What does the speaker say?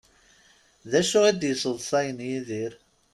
D acu i d-yesseḍṣayen Yidir?